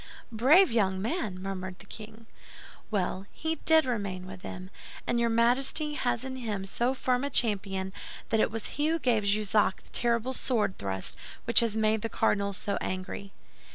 "Brave young man!" murmured the king. "Well, he did remain with them; and your Majesty has in him so firm a champion that it was he who gave Jussac the terrible sword thrust which has made the cardinal so angry."